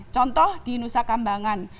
contoh di nusa kambangan